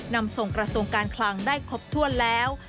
นำส่งกระทรวงการคลังได้ครบถ้วนแล้ว